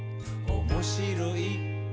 「おもしろい？